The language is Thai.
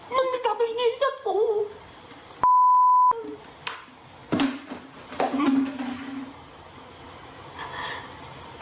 มึงจะทำแบบนี้จากกู